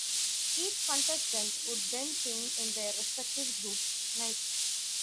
Each contestant would then sing in their respective group's night.